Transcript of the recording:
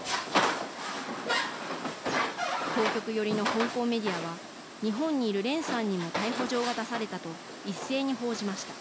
当局寄りの香港メディアは日本にいる練さんにも逮捕状が出されたと一斉に報じました。